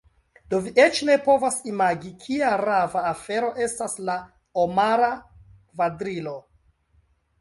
Do vi eĉ ne povas imagi, kia rava afero estas la Omara Kvadrilo.